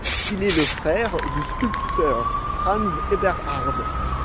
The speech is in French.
Il est le frère du sculpteur Franz Eberhard.